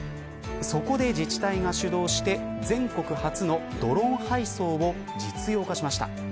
そこで自治体が主導して全国初のドローン配送を実用化しました。